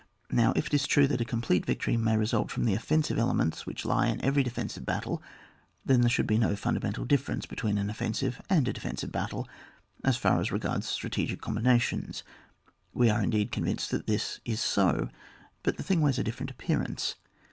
Now, if it is true that a complete victory may result from the offensiye elements which lie in every defensive battle, then there would be no fundamental difference between an offensive and a defensive battle, as far as regards strategic combinations ; we are indeed convinced that this is so, but the thing wears a different appearance.